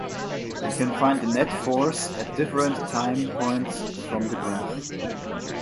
We can find the net force at different time points from the graph.